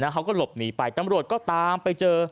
เขาก็หลบหนีไปตำรวจก็ตามไปเจอ